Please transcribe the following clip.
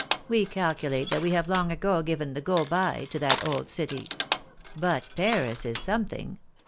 We calculate that we have long ago given the go by to that old city. But Paris is something.